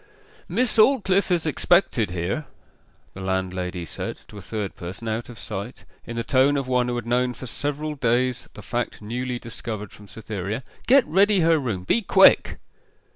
'Miss Aldclyffe is expected here,' the landlady said to a third person, out of sight, in the tone of one who had known for several days the fact newly discovered from Cytherea. 'Get ready her room be quick.